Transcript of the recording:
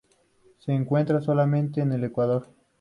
Se encuentra solamente en el Ecuador.